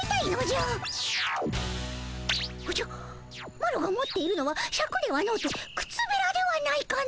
マロが持っているのはシャクではのうてくつべらではないかの？